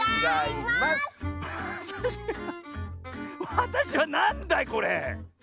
わたしはなんだいこれ？